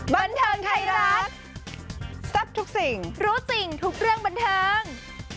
บรรเทิงไทยรัฐแซ่บทุกสิ่งรู้สิ่งทุกเรื่องบรรเทิง